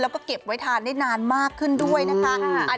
แล้วก็เก็บไว้ทานได้นานมากขึ้นด้วยนะคะ